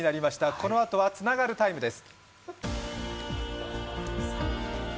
このあとはつながるＴＩＭＥです。